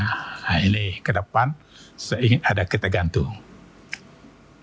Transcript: nah ini ke depan seingin ada ketegantung